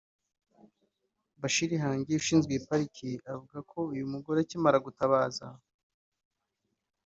Bashir Hangi ushinzwe iyi pariki yavuze ko uyu mugore akimara gutabaza